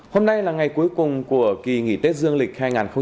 hôm nay là ngày cuối cùng của kỳ nghỉ tết dương lịch hai nghìn hai mươi bốn